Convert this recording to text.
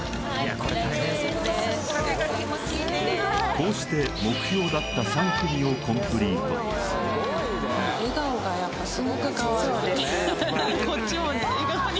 こうして目標だった３組をコンプリートそうです